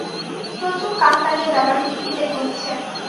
প্রচুর কাকতালীয় ব্যাপার পৃথিবীতে ঘটছে।